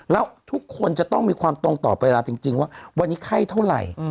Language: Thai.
แล้วทุกคนจะต้องมีความตรงต่อเวลาจริงว่าวันนี้ไข้เท่าไหร่